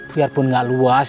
biarpun gak luas